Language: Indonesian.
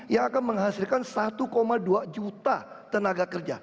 yang akan menghasilkan satu dua juta tenaga kerja